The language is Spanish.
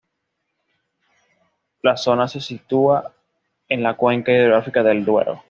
La zona se sitúa en la cuenca hidrográfica del Duero.